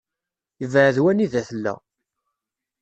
Yebεed wanida tella.